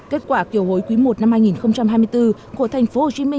kết quả kiều hối quý i năm hai nghìn hai mươi bốn của tp hcm